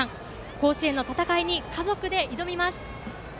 甲子園の戦いに家族で挑みます。